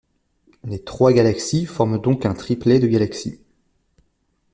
Les trois galaxies forment donc un triplet de galaxies.